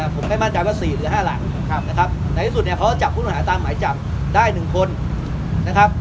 ผมไม่มั่นใจว่าสี่หรือห้าหลักครับนะครับในที่สุดเนี้ยเขาจะจับคุณอาหารตามหมายจับได้หนึ่งคนนะครับ